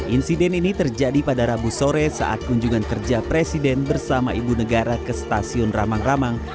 insiden ini terjadi pada rabu sore saat kunjungan kerja presiden bersama ibu negara ke stasiun ramang ramang